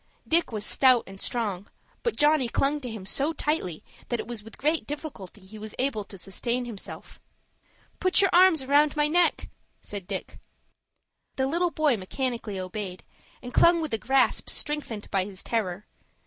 Dick was stout and strong, but Johnny clung to him so tightly, that it was with great difficulty he was able to sustain himself. "Put your arms round my neck," said Dick. The little boy mechanically obeyed, and clung with a grasp strengthened by his terror.